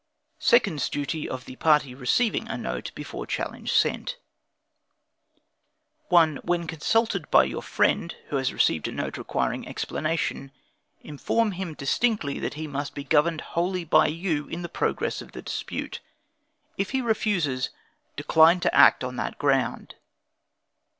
Second's Duty of the Party Receiving a Note Before Challenge Sent. 1. When consulted by your friend, who has received a note requiring explanation, inform him distinctly that he must be governed wholly by you in the progress of the dispute. If he refuses, decline to act on that ground.